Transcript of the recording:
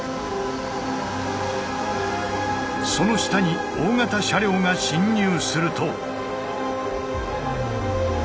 その下に大型車両が進入すると。